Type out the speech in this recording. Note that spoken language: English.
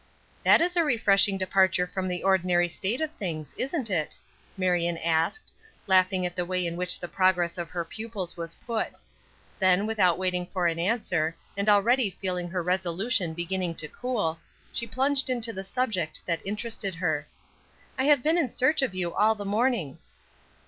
"That is a refreshing departure from the ordinary state of things, isn't it?" Marion asked, laughing at the way in which the progress of her pupils was put. Then, without waiting for an answer, and already feeling her resolution beginning to cool, she plunged into the subject that interested her. "I have been in search of you all the morning."